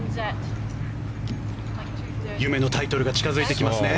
夢のタイトルが近付いてきますね。